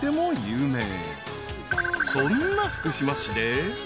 ［そんな福島市で］